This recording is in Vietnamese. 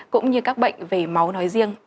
cũng như các bệnh về máu nói riêng